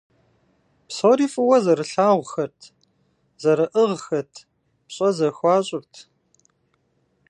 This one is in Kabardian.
Псори фӀыуэ зэрылъагъухэрт, зэрыӀыгъхэт, пщӀэ зэхуащӀырт.